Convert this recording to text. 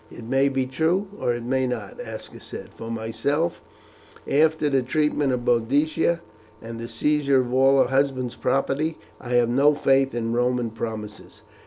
"It may be true or it may not," Aska said. "For myself, after the treatment of Boadicea, and the seizure of all her husband's property, I have no faith in Roman promises.